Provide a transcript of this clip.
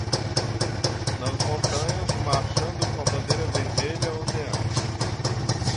Nas montanhas, marchando com a bandeira vermelha ondeante